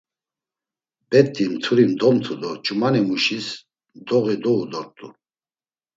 Bet̆i mturi domtu do ç̌umanimuşis doği dou dort̆u.